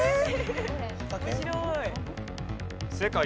面白い。